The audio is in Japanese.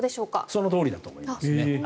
そのとおりだと思いますね。